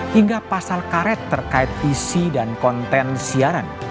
hingga pasal karet terkait visi dan konten siaran